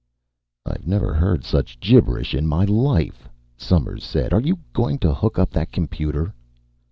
"I've never heard such gibberish in my life," Somers said. "Are you going to hook up that computer?"